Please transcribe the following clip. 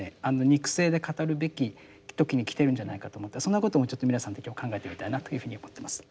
肉声で語るべき時に来ているんじゃないかと思ってそんなこともちょっと皆さんと今日考えてみたいなというふうに思ってます。